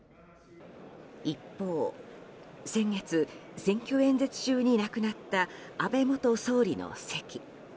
一方、先月選挙演説中に亡くなった安倍元総理の席。